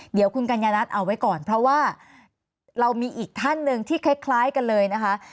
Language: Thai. เดี๋ยวคุณกัญญานัทเอาไว้ก่อนเพราะว่าเรามีอีกท่านหนึ่งที่คล้ายกันเลยนะคะ